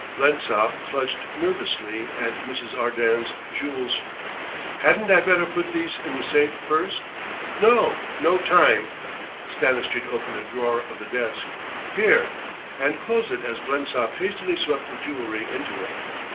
Blensop clutched nervously at Mrs. Arden's jewels. "Hadn't I better put these in the safe first?" "No no time." Stanistreet opened a drawer of the desk "Here!" and closed it as Blensop hastily swept the jewellery into it.